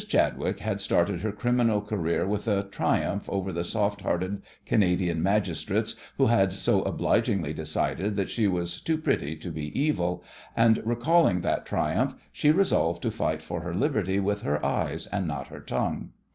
Chadwick had started her criminal career with a triumph over the soft hearted Canadian magistrates who had so obligingly decided that she was too pretty to be evil, and, recalling that triumph, she resolved to fight for her liberty with her eyes and not her tongue.